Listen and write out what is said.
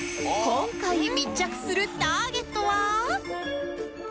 今回密着するターゲットは